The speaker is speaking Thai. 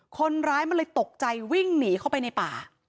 คนร้ายมันเลยตกใจวิ่งหนีเข้าไปในป่า